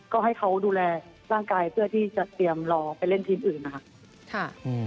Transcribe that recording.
ก็ให้เขาดูแลร่างกายเพื่อที่จะเตรียมรอไปเล่นทีมอื่นนะคะ